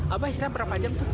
itu abah istirahat berapa jam sih